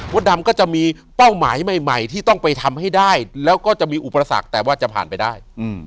ดำก็จะมีเป้าหมายใหม่ที่ต้องไปทำให้ได้แล้วก็จะมีอุปสรรคแต่ว่าจะผ่านไปได้